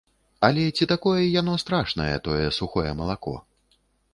Але ці такое яно страшнае, тое сухое малако?